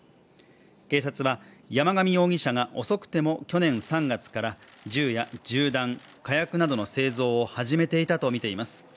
警察は山上容疑者が遅くても去年３月から、銃や銃弾、火薬などの製造を始めていたとみています。